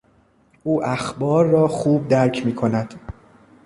او اخبار را خوب درک میکند.